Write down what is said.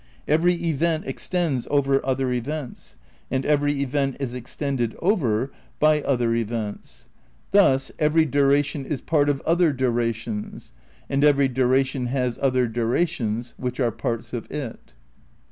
Every event extends over other events, and every event is extended over by other Ill THE CRITICAL PREPARATIONS 103 events. Thus ... every duration is part of other durations; and every duration has other durations which are parts of it."'